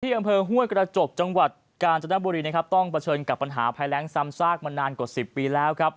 ที่อำเภอห้วยกระจกจังหวัดกาญจนบุรีต้องประเชิญกับปัญหาพายแรงซ้ำซากมานานกว่า๑๐ปีแล้ว